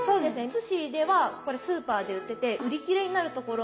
津市ではこれスーパーで売ってて売り切れになるところもあったりします。